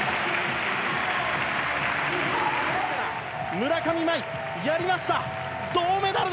村上茉愛、やりました。